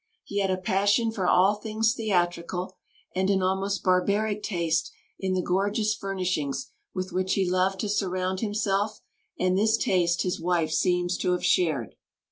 He had a passion for all things theatrical, and an almost barbaric taste in the gorgeous furnishings with which he loved to surround himself; and this taste his wife seems to have shared.